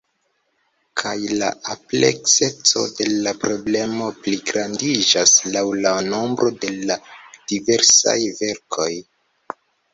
Kaj la amplekseco de la problemo pligrandiĝas laŭ la nombro de la diversaj verkoj.